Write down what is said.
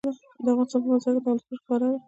د افغانستان په منظره کې هندوکش ښکاره ده.